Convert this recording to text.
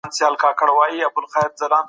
موږ د ژوند سمه لاره موندلې وه.